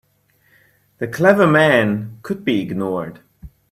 The clever men could be ignored.